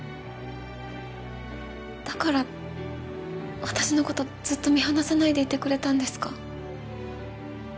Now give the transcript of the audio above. だから私のことずっと見放さないでいてくれたんですか。